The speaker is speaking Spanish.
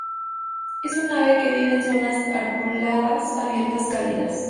Es un ave que vive en zonas arboladas abiertas cálidas.